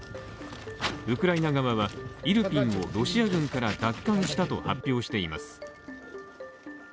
ウクライナ側はイルピンをロシア軍から奪還したと発表しています。